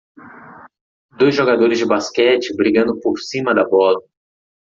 Dois jogadores de basquete, brigando por cima da bola.